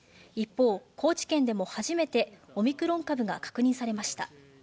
一方、高知県でも初めてオミクロン株が確認されました。